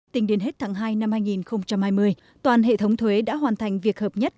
tính đến hết tháng hai năm hai nghìn hai mươi toàn hệ thống thuế đã hoàn thành việc hợp nhất